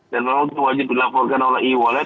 dan kalau itu wajib dilaporkan oleh e wallet